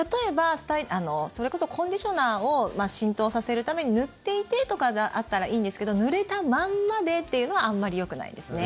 例えば、それこそコンディショナーを浸透させるために塗っていてとかであったらいいんですけどぬれたまんまでというのはあまりよくないですね。